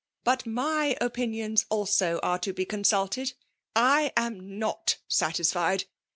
" Bnt my opinions, also, are to be consulted. / ain not satisfied!